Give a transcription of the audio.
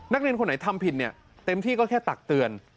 นักเรียนคนไหนทำผิดเนี่ยเต็มที่ก็แค่ตักเตือน